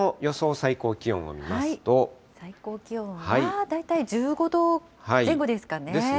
最高気温を見ま最高気温は大体１５度前後でですね。